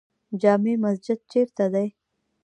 جامع مسجد چیرته دی؟